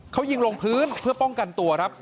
เขายิงลงพื้นเพื่อป้องกันตัวครับ